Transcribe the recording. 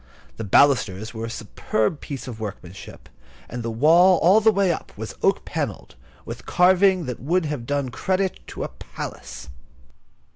The balusters were a superb piece of workmanship, and the wall all the way up was oak panelled, with carving that would have done credit to a palace.